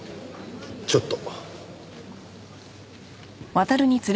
ちょっと。